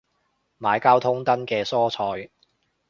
買交通燈嘅蔬菜